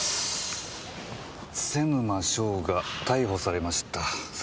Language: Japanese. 瀬沼翔が逮捕されました殺人で。